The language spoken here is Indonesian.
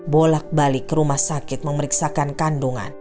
bolak balik ke rumah sakit memeriksakan kandungan